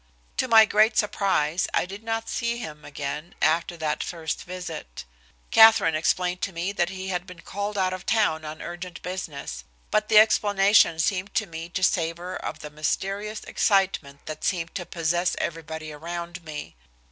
To my great surprise, I did not see him again after that first visit. Katherine explained to me that he had been called out of town on urgent business, but the explanation seemed to me to savor of the mysterious excitement that seemed to possess everybody around me.